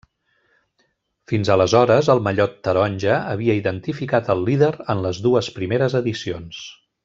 Fins aleshores el mallot taronja havia identificat el líder en les dues primeres edicions.